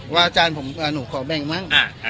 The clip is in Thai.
อาจารย์ผมหนูขอแบ่งมั้ง